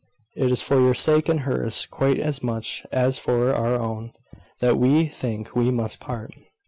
"It is for your sake and hers, quite as much as for our own, that we think we must part."